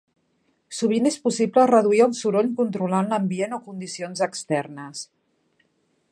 Sovint és possible reduir el soroll controlant l'ambient o condicions externes.